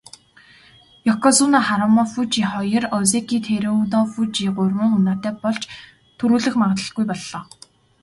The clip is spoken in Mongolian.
Ёкозүна Харүмафүжи хоёр, озеки Тэрүнофүжи гурван унаатай болж түрүүлэх магадлалгүй боллоо.